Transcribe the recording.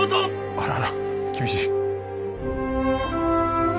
あらら厳しい。